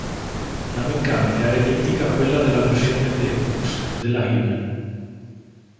La meccanica era identica alla quella della versione De Luxe della Hillman.